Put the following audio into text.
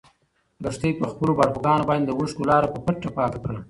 لښتې په خپلو باړخوګانو باندې د اوښکو لاره په پټه پاکه کړه.